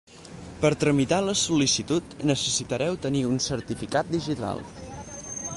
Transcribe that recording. Per tramitar la sol·licitud necessitareu tenir un certificat digital.